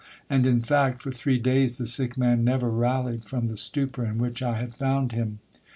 And, in fact, for three days the sick man never rallied from the stupor in which I had found him.